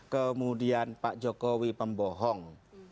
kemudian pak jokowi pembohong